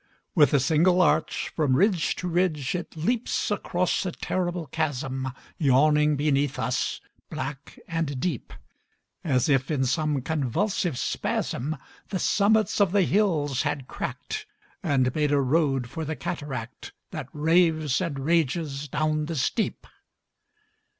With a single arch, from ridge to ridge, It leaps across the terrible chasm Yawning beneath us, black and deep, As if, in some convulsive spasm, The summits of the hills had cracked, And made a road for the cataract That raves and rages down the steep!